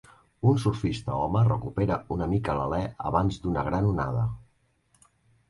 Un surfista home recupera una mica l'alè abans d'una gran onada.